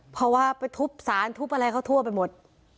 เพราะว่าไปทุบสารทุบอะไรเขาทั่วไปหมด